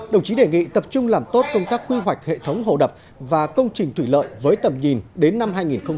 đồng chí đề nghị tập trung làm tốt công tác quy hoạch hệ thống hồ đập và công trình thủy lợi với tầm nhìn đến năm hai nghìn ba mươi